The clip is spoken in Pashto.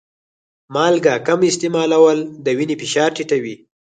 مالګه کم استعمالول د وینې فشار ټیټوي.